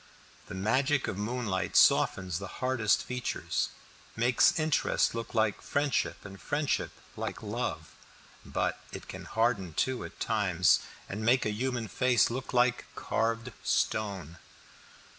The magic of moonlight softens the hardest features, makes interest look like friendship, and friendship like love; but it can harden too at times, and make a human face look like carved stone.